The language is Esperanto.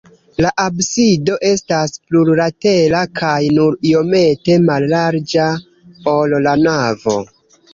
La absido estas plurlatera kaj nur iomete mallarĝa, ol la navo.